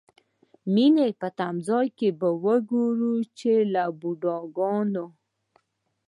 د مینې په تمځای کې به وګورئ چې له بوډاګانو.